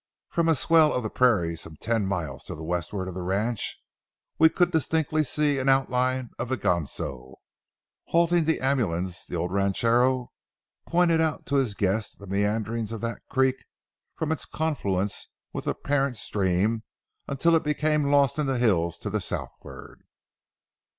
From a swell of the prairie some ten miles to the westward of the ranch, we could distinctly see an outline of the Ganso. Halting the ambulance, the old ranchero pointed out to his guest the meanderings of that creek from its confluence with the parent stream until it became lost in the hills to the southward.